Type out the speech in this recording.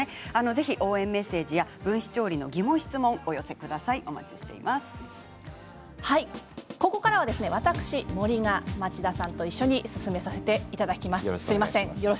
ぜひ、応援メッセージや分子調理の疑問・質問をここからは私、森が町田さんと一緒に進めさせていただきます。